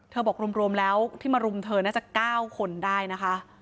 บอกรวมแล้วที่มารุมเธอน่าจะ๙คนได้นะคะ